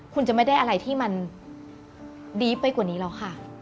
คุณจะไม่ได้อะไรที่มันดีไปกว่านี้แล้วค่ะ